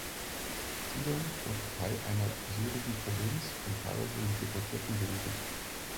Sidon wurde Teil einer assyrischen Provinz und teilweise mit Deportierten besiedelt.